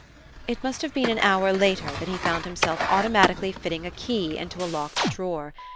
It must have been an hour later that he found himself automatically fitting a key into a locked drawer.